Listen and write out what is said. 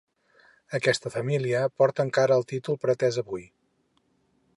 Aquesta família porta encara el títol pretès avui.